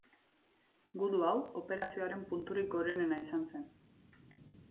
Gudu hau operazioaren punturik gorenena izan zen.